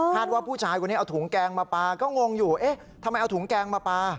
ว่าผู้ชายคนนี้เอาถุงแกงมาปลาก็งงอยู่เอ๊ะทำไมเอาถุงแกงมาปลา